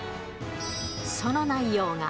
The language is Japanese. その内容が。